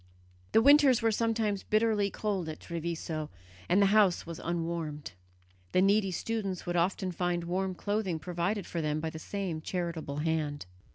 The winters were sometimes bitterly cold at Treviso, and the house was unwarmed. The needy students would often find warm clothing provided for them by the same charitable hand.